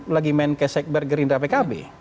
lagi main ke sekber gerindra pkb